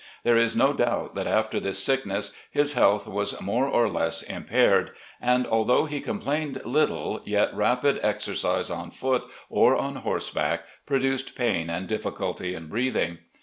There is no doubt that after this sickness his health was more or less impaired; and although he complained little, yet rapid exercise on foot or on horseback produced pain and difficulty of breathing.